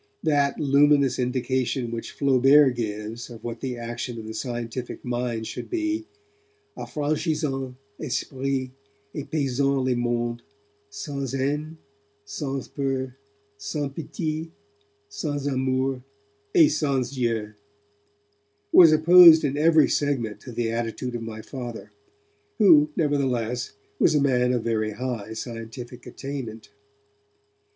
That luminous indication which Flaubert gives of what the action of the scientific mind should be, affranchissant esprit et pesant les mondes, sans haine, sans peur, sans pitie, sans amour et sans Dieu, was opposed in every segment to the attitude of my Father, who, nevertheless, was a man of very high scientific attainment.